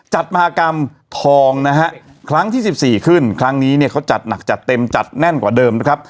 จัดมหากรรมทองนะฮะครั้งที่สิบสี่ขึ้นครั้งนี้เนี่ยเขาจัดหนักจัดเต็มจัดแน่นกว่าเดิมนะครับ